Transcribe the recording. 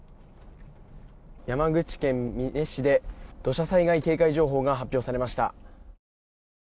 山口県美祢市で土砂災害警戒情報が発表されました。